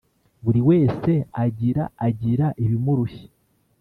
buri wese, agira, agira ibimurushya